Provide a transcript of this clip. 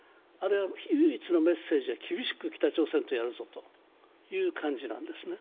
唯一のメッセージは厳しく北朝鮮とやるぞという感じなんですね。